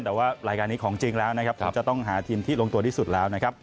แต่ว่ารายการนี้ของจริงแล้วนะครับผมจะต้องหาทีมที่ลงตัวที่สุดแล้วนะครับ